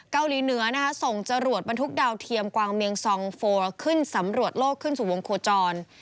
เกาหลีเหนือนะคะส่งจรวดบรรทุกดาวเทียมกวางเมียงซองโฟขึ้นสำรวจโลกขึ้นสู่วงโคจร